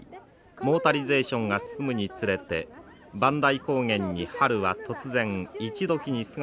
モータリゼーションが進むにつれて磐梯高原に春は突然いちどきに姿を現します。